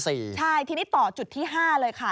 ใช่ทีนี้ต่อจุดที่๕เลยค่ะ